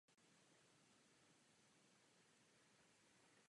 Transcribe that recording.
Projekt financovala nadace National Science Foundation.